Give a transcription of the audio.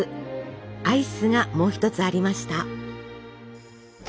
アイスがもう一つありました。